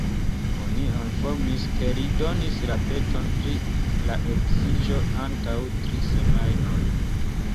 Oni informis ke li donis la peton pri la eksiĝo antaŭ tri semajnoj.